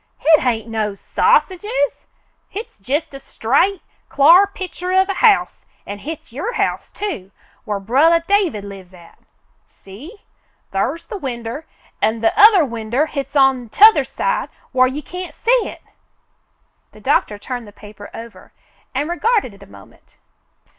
"Hit hain't no sausages. Hit's jest a straight, cl'ar pi'cher of a house, an' hit's your house, too, whar brothah David lives at. See ? Thar's the winder, an' the other winder hit's on t'othah side whar you can't see hit." The doctor turned the paper over and regarded it a moment.